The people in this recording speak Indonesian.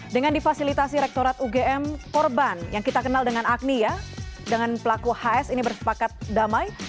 dengan difasilitasi rektorat ugm korban yang kita kenal dengan agni ya dengan pelaku hs ini bersepakat damai